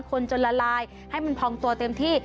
คนจนละลายให้มันพองตัวเต็มที่